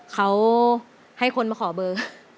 เขาให้คนมาขอเบอร์